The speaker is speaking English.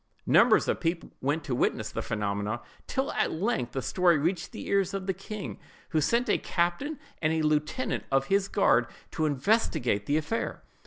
Numbers of people went to witness the phenomena, till at length the story reached the ears of the king, who sent a captain and a lieutenant of his guard to investigate the affair.